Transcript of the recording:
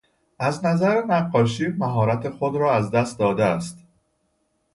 از نظر نقاشی مهارت خود را از دست داده است.